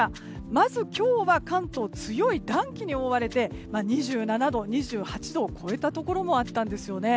まず今日は関東強い暖気に覆われて２７度、２８度を超えたところもあったんです。